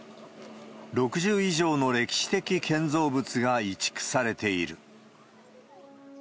６０以上の歴史的建造物が移築されている。